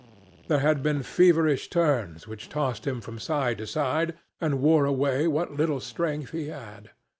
There had been feverish turns which tossed him from side to side and wore away what little strength he had.